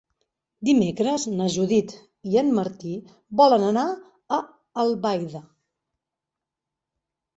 Dimecres na Judit i en Martí volen anar a Albaida.